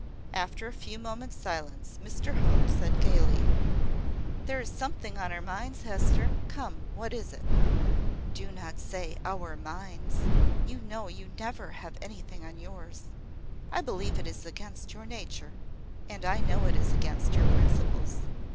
After a few moments' silence, Mr Hope said gaily "There is something on our minds, Hester. Come, what is it?" "Do not say `our minds.' You know you never have anything on yours. I believe it is against your nature; and I know it is against your principles.